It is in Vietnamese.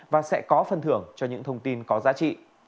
và sẽ có phân thưởng cho những thông tin có giá trị